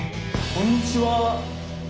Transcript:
こんにちは。